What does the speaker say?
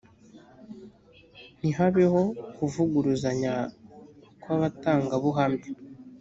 ntihabeho kuvuguruzanya kw’abatangabuhamya